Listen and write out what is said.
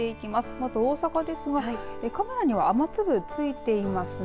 まず大阪ですがカメラには雨粒、ついています。